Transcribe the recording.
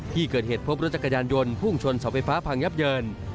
ที่เกิดเหตุพบรถจักรยานยนต์พุ่งชนเสาไฟฟ้าพังยับเยิน